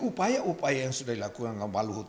upaya upaya yang sudah dilakukan oleh pak luhut